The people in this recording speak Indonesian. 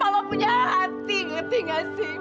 kalau punya hati ngerti gak sih